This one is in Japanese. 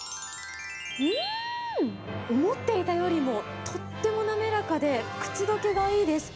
うーん、思っていたよりもとっても滑らかで、口どけがいいです。